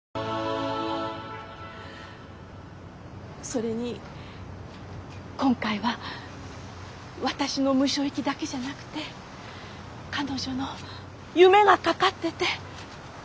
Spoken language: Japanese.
それに今回は私のムショ行きだけじゃなくて彼女の夢がかかってて。